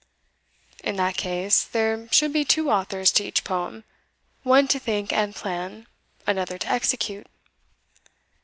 "In that case, there should be two authors to each poem one to think and plan, another to execute."